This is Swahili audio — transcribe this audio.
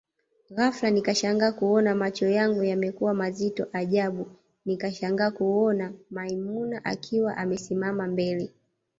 Ghafla nikashangaa kuona macho yangu yamekuwa mazito ajabu nikashangaa kuona maimuna akiwa amesimama mbele